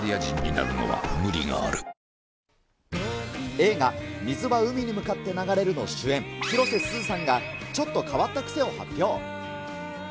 映画、水は海に向かって流れるの主演、広瀬すずさんがちょっと変わった癖を発表。